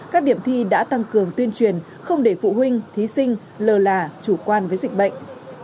các điểm thi đã tăng cường tuyên truyền không để phụ huynh thí sinh lờ là chủ quan với dịch bệnh